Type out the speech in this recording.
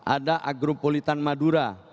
ada agropulitan madura